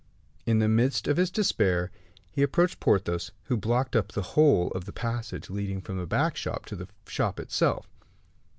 In the midst of his despair, he approached Porthos, who blocked up the whole of the passage leading from the back shop to the shop itself.